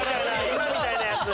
今みたいなやつ。